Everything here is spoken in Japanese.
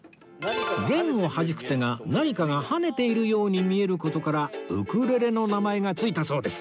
弦をはじく手が何かが跳ねているように見える事から「ウクレレ」の名前が付いたそうです